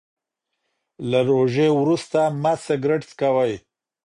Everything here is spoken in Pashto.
له روژې وروسته مه سګریټ څکوئ.